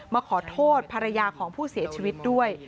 มาขอโทษภรรยาของผู้เสียชีวิตด้วย